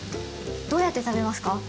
どうやって食べますか？